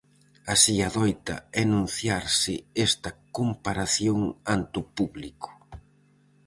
Así adoita enunciarse esta comparación ante o público.